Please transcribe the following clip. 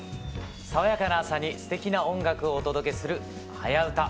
爽やかな朝にすてきな音楽をお届けする「はやウタ」。